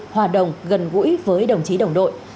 hòa đồng gần gũi với đồng chí đồng đội